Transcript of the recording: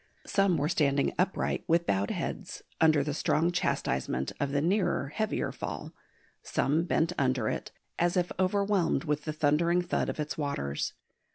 Some were standing upright, with bowed heads, under the strong chastisement of the nearer heavier fall; some bent under it, as if overwhelmed with the thundering thud of its waters.